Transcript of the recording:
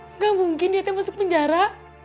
enggak mungkin dia masuk penjara